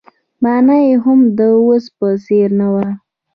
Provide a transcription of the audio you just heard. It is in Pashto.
مانا يې هم د اوس په څېر نه وه.